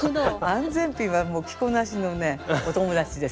安全ピンは着こなしのねお友達です。